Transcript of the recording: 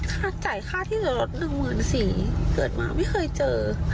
ค่าจ่ายค่าที่เหลือ๑๔๐๐เกิดมาไม่เคยเจอ